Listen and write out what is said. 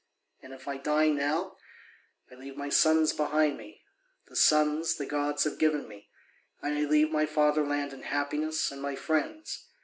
And if I die now, I leave my sons behind me, the sons the gods have given me; and I leave my fatherland in happiness, and my friends.